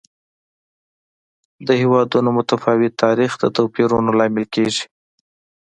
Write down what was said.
د هېوادونو متفاوت تاریخ د توپیرونو لامل کېږي.